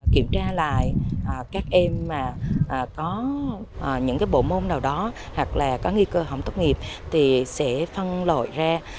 kiểm tra lại các em mà có những bộ môn nào đó hoặc là có nghi cơ không tốt nghiệp thì sẽ phân loại ra